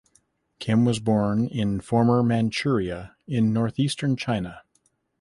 Kim was born in former Manchuria in northeastern China.